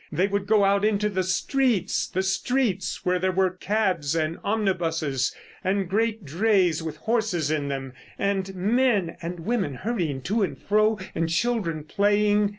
They would go out into the streets. The streets where there were cabs and omnibuses, and great drays with horses in them, and men and women hurrying to and fro; and children playing.